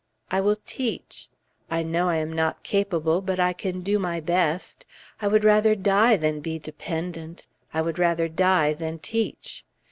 I will teach. I know I am not capable, but I can do my best. I would rather die than be dependent; I would rather die than teach.